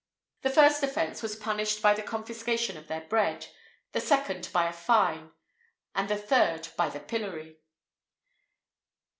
The first offence was punished by the confiscation of their bread; the second by a fine; and the third by the pillory.